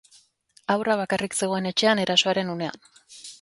Haurra bakarrik zegoen etxean erasoaren unean.